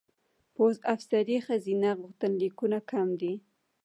پوځ افسرۍ ښځینه غوښتنلیکونه کم دي.